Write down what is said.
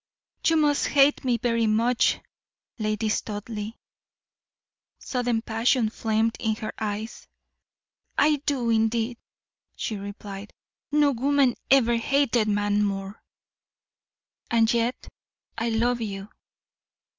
"You must hate me very much, Lady Studleigh." Sudden passion flamed in her eyes. "I do, indeed," she replied. "No woman ever hated man more." "And yet I love you."